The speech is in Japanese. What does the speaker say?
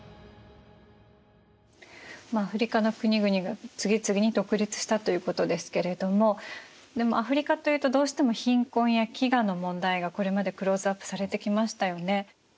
アフリカの国々が次々に独立したということですけれどもでもアフリカというとどうしても貧困や飢餓の問題がこれまでクローズアップされてきましたよね。